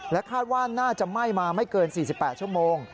คาดว่าน่าจะไหม้มาไม่เกิน๔๘ชั่วโมง